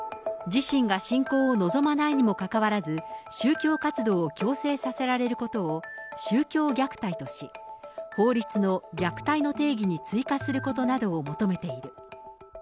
自身が信仰を望まないにもかかわらず、宗教活動を強制させられることを、宗教虐待とし、法律の虐待の定義に追加することなどを求めている。